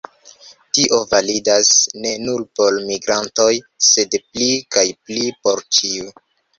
Tio validas ne nur por migrantoj, sed pli kaj pli por ĉiu.